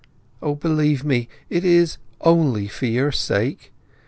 O, believe me, it is only for your sake!